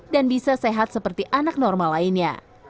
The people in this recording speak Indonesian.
bisa sehat seperti anak normal lainnya